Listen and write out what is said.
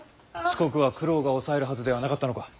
四国は九郎が押さえるはずではなかったのか。